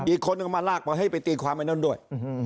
อีกคนมาลากก็อย่ายิ่งไปตีความอันนั้นด้วย